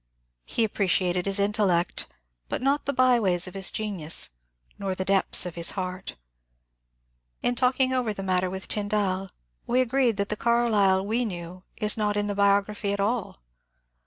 He appreciated his intellect, but not the by ways of his genius, nor the depths of his heart. In talking over the matter with Tjnidall, we agreed that the Car lyle we knew is not in the biography at all.